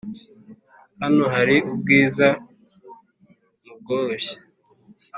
hano hari ubwiza mubworoshye.